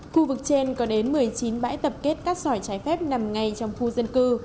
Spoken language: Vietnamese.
khu vực trên có đến một mươi chín bãi tập kết cát sỏi trái phép nằm ngay trong khu dân cư